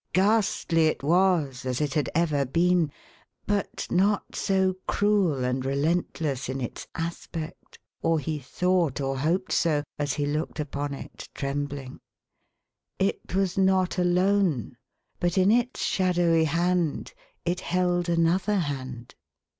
Ghastly it was, as it had ever been, but not so cruel and relentless in its aspect — or he thought or hoped so, as he looked upon it, trembling. It was not alone, but in its shadowy hand it held another hand.